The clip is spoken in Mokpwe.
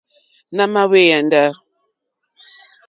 Nà mà hwé yāndá.